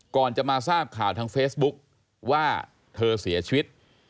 ก่อนจะมาทราบข่าวทางเฟซบุ๊กว่าเธอเสียชีวิต